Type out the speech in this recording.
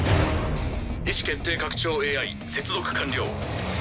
意思決定拡張ＡＩ接続完了。